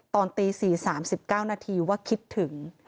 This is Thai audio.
ตอนตี๔๓๐ว่าคิดถึง